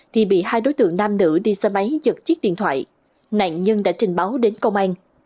thì bị hai đối tượng nam nữ đi xe máy giật chiếc điện thoại nạn nhân đã trình báo đến công an